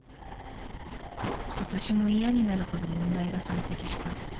今年も嫌になるほど問題が山積した